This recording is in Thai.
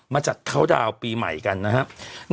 จัดเข้าดาวน์ปีใหม่กันนะครับ